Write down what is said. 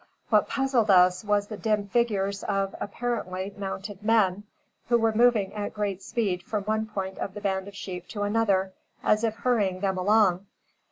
What puzzled us, was the dim figures of, apparently, mounted men, who were moving at great speed from one point of the band of sheep to another, as if hurrying them along.